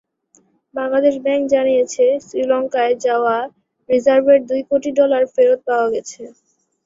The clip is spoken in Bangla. বাংলাদেশ ব্যাংক জানিয়েছে, শ্রীলঙ্কায় যাওয়া রিজার্ভের দুই কোটি ডলার ফেরত পাওয়া গেছে।